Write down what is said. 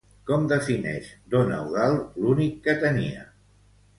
Com defineix don Eudald l'únic que tenia?